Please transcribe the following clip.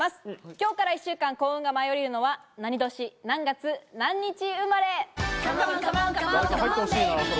今日から１週間、幸運が舞い降りるのは何年、何月何日生まれ。